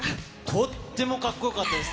とってもかっこよかったです。